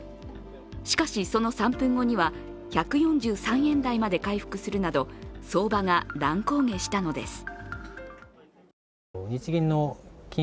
しかし、その３分後には１４３円台まで回復するなど相場が乱高下したのです。